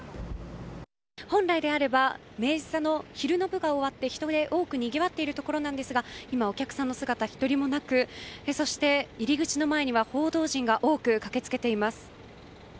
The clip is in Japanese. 本来であれば明治座の昼の部が終わって人で多くにぎわっているところなんですが今、お客さんの姿は１人もなくそして入り口の前には報道陣が多く駆けつけています。